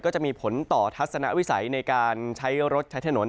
จะมีผลต่อทัศนวิสัยในการใช้รถใช้ถนน